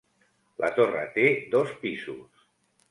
La torre té dos pisos.